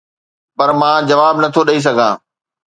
پر مان جواب نه ٿو ڏئي سگهان.